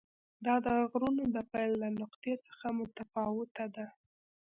دا د غرونو د پیل له نقطې څخه متفاوته ده.